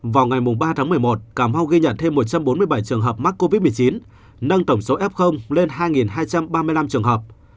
vào ngày ba tháng một mươi một cà mau ghi nhận thêm một trăm bốn mươi bảy trường hợp mắc covid một mươi chín nâng tổng số f lên hai hai trăm ba mươi năm trường hợp